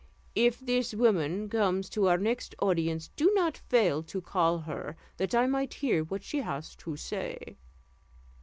If this woman comes to our next audience, do not fail to call her, that I may hear what she has to say."